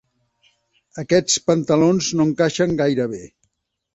Aquests pantalons no encaixen gaire bé.